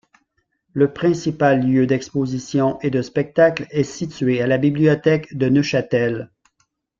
Le principal lieu d'exposition et de spectacles est situé à la bibliothèque de Neufchâtel.